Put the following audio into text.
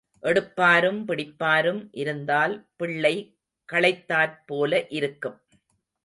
எடுப்பாரும் பிடிப்பாரும் இருந்தால் பிள்ளை களைத்தாற் போல இருக்கும்.